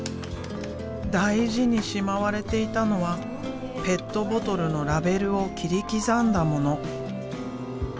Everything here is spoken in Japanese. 大事にしまわれていたのはペットボトルのラベルを切り刻んだもの。